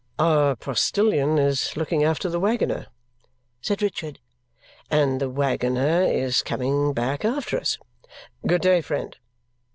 "Our postilion is looking after the waggoner," said Richard, "and the waggoner is coming back after us. Good day, friend!"